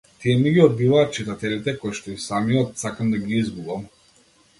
Тие ми ги одбиваат читателите коишто и самиот сакам да ги изгубам.